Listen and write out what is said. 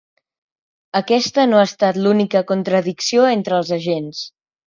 Aquesta no ha estat l’única contradicció entre els agents.